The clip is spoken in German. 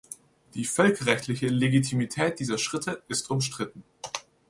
Die völkerrechtliche Legitimität dieser Schritte ist umstritten.